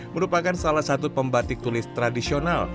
merupakan salah satu pembatik tulis tradisional